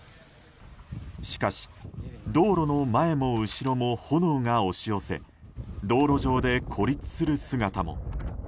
しかし、道路の前も後ろも炎が押し寄せ道路上で孤立する姿も。